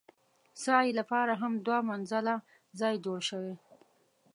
سعې لپاره هم دوه منزله ځای جوړ شوی.